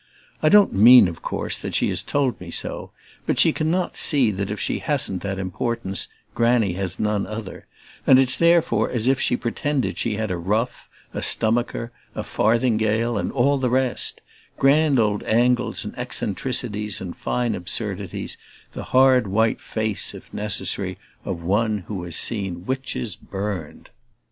I don't mean of course that she has told me so; but she cannot see that if she hasn't that importance Granny has none other; and it's therefore as if she pretended she had a ruff, a stomacher, a farthingale and all the rest grand old angles and eccentricities and fine absurdities: the hard white face, if necessary, of one who has seen witches burned.